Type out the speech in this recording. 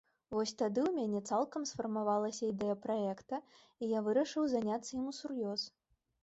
Вось тады ў мяне цалкам сфарміравалася ідэя праекта і я вырашыў заняцца ім усур'ёз.